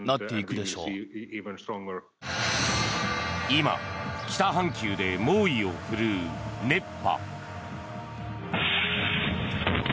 今、北半球で猛威を振るう熱波。